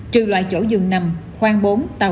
trừ loại chỗ dừng nằm khoan bốn tàu